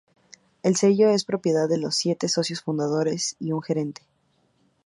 El sello es propiedad de los siete socios fundadores y un gerente.